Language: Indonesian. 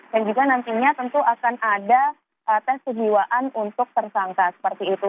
juga nantinya tentu akan ada tes kejiwaan untuk tersangka seperti itu